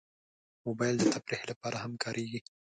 موبایل د تفریح لپاره هم کارېږي.